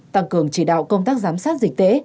tăng cường chỉ đạo công tác giám sát dịch tễ